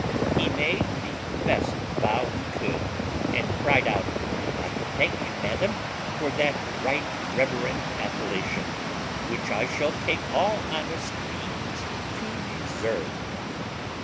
He made the best bow he could, and cried out, "I thank you, madam, for that right reverend appellation, which I shall take all honest means to deserve."